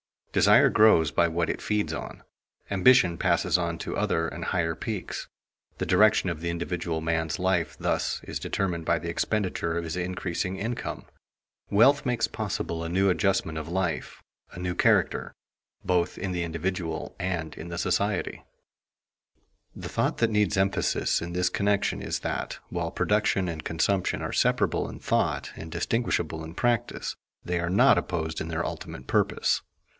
Desire grows by what it feeds on. Ambition passes on to other and higher peaks. The direction of the individual man's life thus is determined by the expenditure of his increasing income. Wealth makes possible a new adjustment of life, a new character, both in the individual and in the society. [Sidenote: Wealth a means to living] The thought that needs emphasis in this connection is that, while production and consumption are separable in thought and distinguishable in practice, they are not opposed in their ultimate purpose.